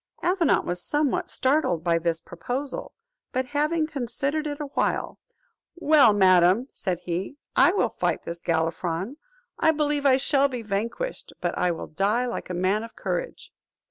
Avenant was somewhat startled by this proposal; but, having considered it awhile, "Well, madam," said he, "I will fight this Galifron; I believe I shall be vanquished; but I will die like a man of courage."